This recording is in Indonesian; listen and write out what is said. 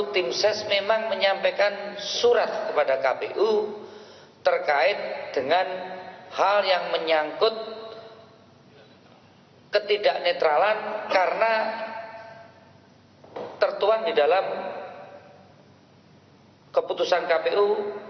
satu timses memang menyampaikan surat kepada kpu terkait dengan hal yang menyangkut ketidaknetralan karena tertuan di dalam keputusan kpu seribu sembilan puluh enam